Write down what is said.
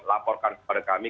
laporkan kepada kami